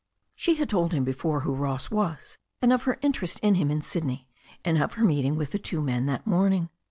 She had told him before who Ross was, and of her in terest in him in Sydney, and of her meeting with the two men that morning.